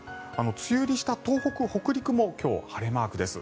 梅雨入りした東北・北陸も今日晴れマークです。